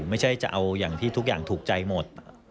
ไม่ใช่จะเอาอย่างที่ทุกอย่างถูกใจหมด